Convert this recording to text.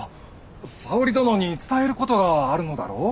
沙織殿に伝えることがあるのだろう？